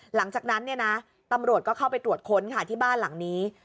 หลังจากนั้นเนี่ยนะตำรวจก็เข้าไปตรวจค้นค่ะที่บ้านหลังนี้